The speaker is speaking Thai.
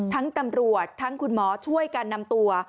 ตำรวจทั้งคุณหมอช่วยกันนำตัว